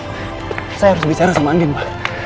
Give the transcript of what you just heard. saya harus bicara sama andin pak